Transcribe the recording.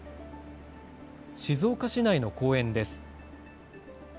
静岡市内の公園です。